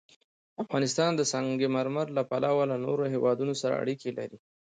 افغانستان د سنگ مرمر له پلوه له نورو هېوادونو سره اړیکې لري.